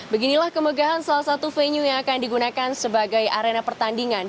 beginilah kemegahan salah satu venue yang akan digunakan sebagai arena pertandingan